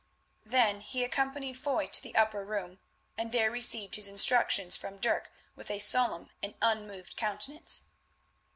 Then he accompanied Foy to the upper room, and there received his instructions from Dirk with a solemn and unmoved countenance.